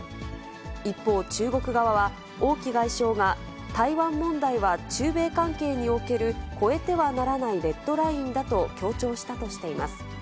一方、中国側は、王毅外相が、台湾問題は中米関係における越えてはならないレッドラインだと強調したとしています。